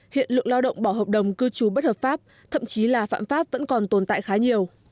hiện lượng lao động bỏ hợp đồng cư trú bất hợp pháp thậm chí là phạm pháp vẫn còn tồn tại khá nhiều